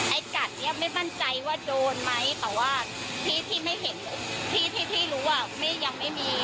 ไอ้กัดยังไม่บ้านใจว่าโดนไหมแต่ว่าที่รู้ยังไม่มี